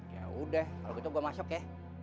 yaudah kalau gitu gue masuk ya